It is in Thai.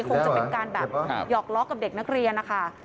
คงจะเป็นการแบบหยอกล้อกับเด็กนักเรียนนะคะ